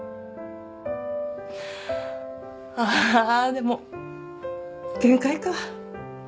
ああでも限界か。